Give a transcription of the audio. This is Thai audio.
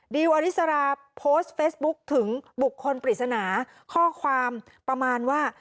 อริสราโพสต์เฟซบุ๊คถึงบุคคลปริศนาข้อความประมาณว่า